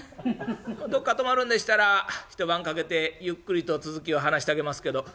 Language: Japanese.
どっか泊まるんでしたら一晩かけてゆっくりと続きを話してあげますけど」。